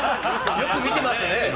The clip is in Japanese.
よく見てますね。